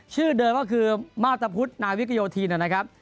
ชื่อเดิมก็คือมาพตะพุทธนาวิกโยธินนะครับ